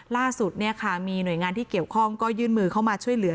ล่าสุดมีหน่วยงานที่เกี่ยวข้องก็ยื่นมือเข้ามาช่วยเหลือ